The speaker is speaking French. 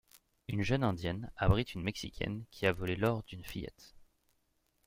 Une jeune indienne abrite une mexicaine qui a volé l'or d'une fillette.